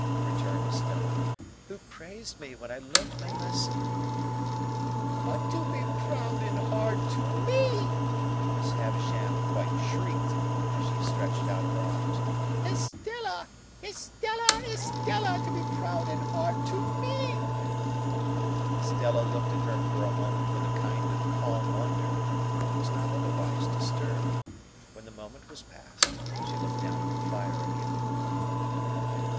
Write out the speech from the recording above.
returned Estella. "Who praised me when I learnt my lesson?" "But to be proud and hard to me!" Miss Havisham quite shrieked, as she stretched out her arms. "Estella, Estella, Estella, to be proud and hard to me!" Estella looked at her for a moment with a kind of calm wonder, but was not otherwise disturbed; when the moment was past, she looked down at the fire again.